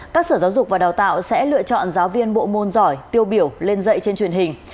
các sở giáo dục và đào tạo sẽ lựa chọn giáo viên bộ môn giỏi tiêu biểu lên dạy trên truyền hình